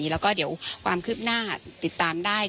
แล้วก็เดี๋ยวความคืบหน้าติดตามได้